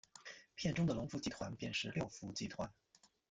片中的龙福集团便是六福集团。